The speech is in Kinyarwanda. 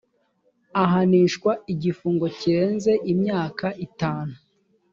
ahanishwa igifungo kirenze imyaka itanu